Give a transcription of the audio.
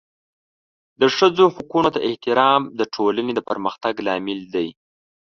د ښځو حقونو ته احترام د ټولنې د پرمختګ لامل دی.